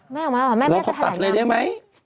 แม่ออกมาแล้วหรอแม่ก็จะถาดได้ไหม